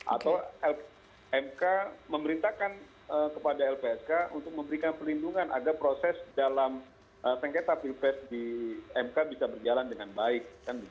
atau mk memerintahkan kepada lpsk untuk memberikan perlindungan agar proses dalam sengketa pilpres di mk bisa berjalan dengan baik